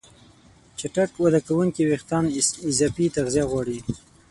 چټک وده کوونکي وېښتيان اضافي تغذیه غواړي.